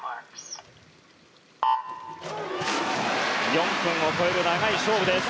４分を超える長い勝負です。